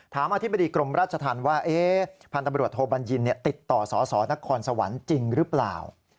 อธิบดีกรมราชธรรมว่าพันธบรวจโทบัญญินติดต่อสสนครสวรรค์จริงหรือเปล่า